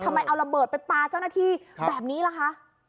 ทำไมเอาระเบิดไปปลาเจ้าหน้าที่แบบนี้ล่ะคะ